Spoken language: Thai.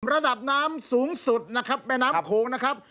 ระดับน้ำสูงสุดนะครับแม่น้ำโขงนะครับ